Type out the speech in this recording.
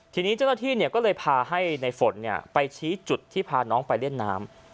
ทีนี้เจ้าหน้าที่ก็เลยพาให้ในฝนไปชี้จุดที่พาน้องไปเล่นน้ำ